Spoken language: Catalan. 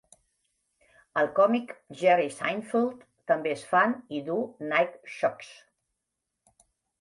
El còmic Jerry Seinfeld també és fan i duu Nike Shox.